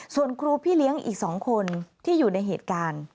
ส่วนครูพี่เลี้ยงอีก๒คนที่อยู่ในเหตุการณ์